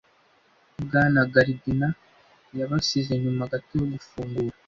Bwana Gardiner yabasize nyuma gato yo gufungura.